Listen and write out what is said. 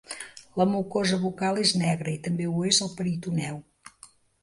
La mucosa bucal és negra i també ho és el peritoneu.